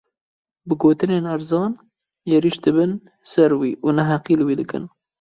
Bi gotinên erzan, êrîş dibin ser wî û neheqî li wî dikin